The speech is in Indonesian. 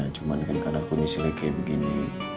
cuman kan karena kondisi lagi kayak begini